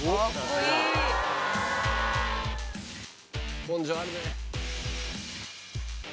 根性あるね。